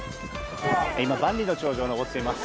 今、万里の長城に登っています。